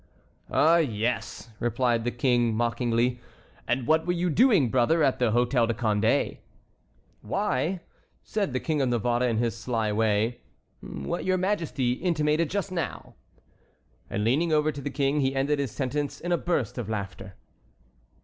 "Ah, yes!" replied the King, mockingly; "and what were you doing, brother, at the Hôtel de Condé?" "Why," said the King of Navarre in his sly way, "what your Majesty intimated just now." And leaning over to the King he ended his sentence in a burst of laughter.